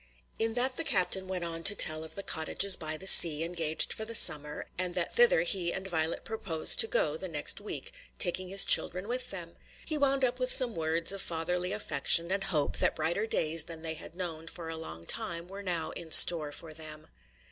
In that the captain went on to tell of the cottages by the sea engaged for the summer, and that thither he and Violet purposed to go the next week, taking his children with them. He wound up with some words of fatherly affection and hope that brighter days than they had known for a long time were now in store for them.